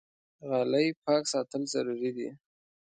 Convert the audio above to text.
غالۍ پاک ساتل ضروري دي.